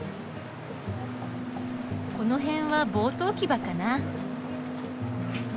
この辺はボート置き場かな。